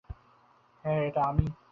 হ্যাঁ, এটা আমি।